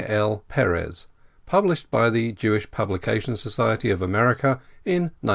L. Perez, published by the Jewish Publication Society of America, in 1906.